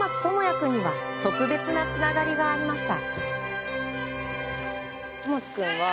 君には特別なつながりがありました。